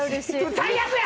最悪や！